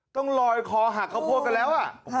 ต้องลอยคอหักข้าวโพดกันแล้ว